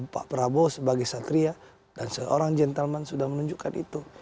pak prabowo sebagai satria dan seorang gentleman sudah menunjukkan itu